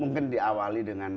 mungkin diawali dengan